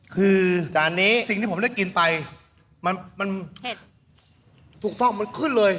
คือจานนี้สิ่งที่ผมได้กินไปมันถูกต้องมันขึ้นเลย